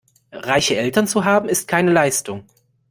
Reiche Eltern zu haben, ist keine Leistung.